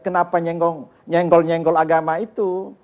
kenapa nyenggol nyenggol agama itu